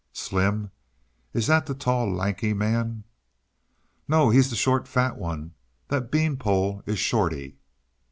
"Slim is that the tall, lanky man?" "No he's the short, fat one. That bean pole is Shorty."